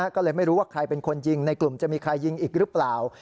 ก็เลยไม่รู้ว่าใครเป็นคนยิงในกลุ่มจะมีใครยิงอีกหรือเปล่า